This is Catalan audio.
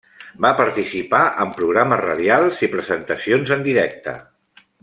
Va participar en programes radials i presentacions en directe.